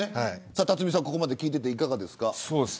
辰巳さん、ここまで聞いていていかがですか。